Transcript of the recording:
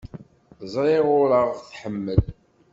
Ẓriɣ ur aɣ-tḥemmel.